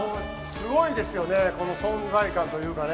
すごいですよね、この存在感というかね。